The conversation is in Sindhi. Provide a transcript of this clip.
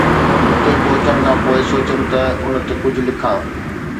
اتي پهچڻ کان پوءِ سوچيم ته ان تي ڪجهه لکان